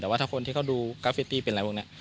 แต่ว่าถ้าคนที่เขาดูกราฟิตี้เป็นอะไรพวกนี้